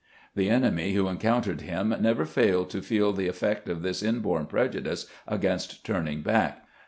The enemy who encountered him never failed to feel the effect of this inborn prejudice against turning back.